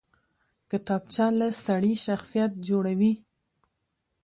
کتابچه له سړي شخصیت جوړوي